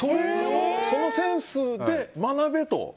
そのセンスで学べと。